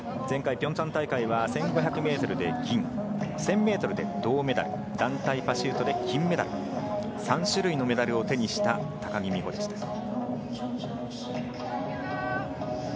前回のピョンチャン大会は１５００ｍで銀、１０００ｍで銅メダル、団体パシュートで金メダル、３種類のメダルを手にした高木美帆でした。